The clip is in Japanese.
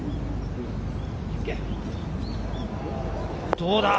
どうだ？